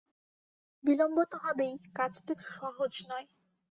বিলম্ব তো হবেই, কাজটি তো সহজ নয়।